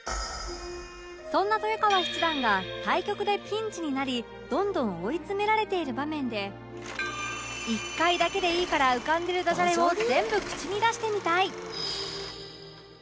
そんな豊川七段が対局でピンチになりどんどん追い詰められている場面で１回だけでいいから浮かんでるダジャレを全部口に出してみたい